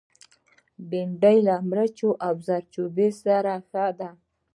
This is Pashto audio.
بېنډۍ له مرچ او زردچوبه سره ښه ده